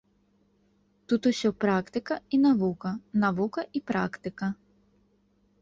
Тут усё практыка і навука, навука і практыка.